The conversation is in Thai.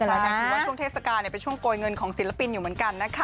ใช่คือว่าช่วงเทศกาลเป็นช่วงโกยเงินของศิลปินอยู่เหมือนกันนะคะ